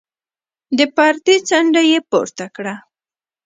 د پردې څنډه يې پورته کړه.